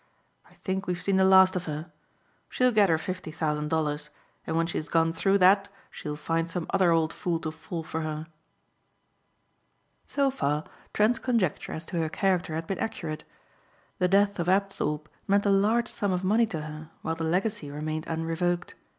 I think we've seen the last of her. She'll get her fifty thousand dollars and when she's gone through that she'll find some other old fool to fall for her." So far, Trent's conjecture as to her character had been accurate. The death of Apthorpe meant a large sum of money to her while the legacy remained unrevoked.